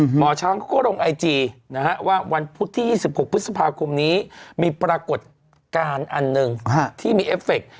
หมอช้างเขาก็ลงไอจีนะฮะว่าวันพุธที่๒๖พฤษภาคมนี้มีปรากฏการณ์อันหนึ่งที่มีเอฟเฟค